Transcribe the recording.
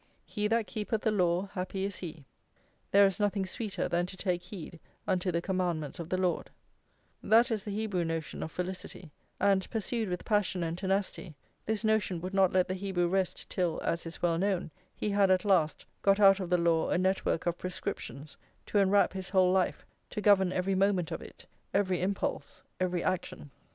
"He that keepeth the law, happy is he;" "There is nothing sweeter than to take heed unto the commandments of the Lord;"+ that is the Hebrew notion of felicity; and, pursued with passion and tenacity, this notion would not let the Hebrew rest till, as is well known, he had, at last, got out of the law a network of prescriptions to enwrap his whole life, to govern every moment of it, every impulse, every action.